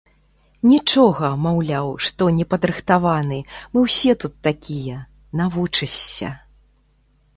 Нічога, маўляў, што непадрыхтаваны, мы ўсе тут такія, навучышся.